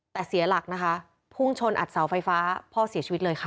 แต่เสียหลักนะคะพุ่งชนอัดเสาไฟฟ้าพ่อเสียชีวิตเลยค่ะ